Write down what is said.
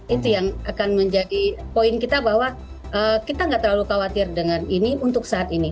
itu yang akan menjadi poin kita bahwa kita nggak terlalu khawatir dengan ini untuk saat ini